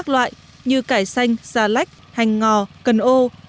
các loại như cải xanh xà lách hành ngò cần ô